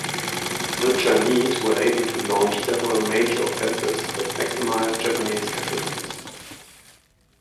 The Chinese were able to launch several major offensives that maximized Japanese casualties.